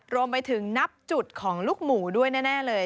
รวมไปถึงนับจุดของลูกหมูด้วยแน่เลย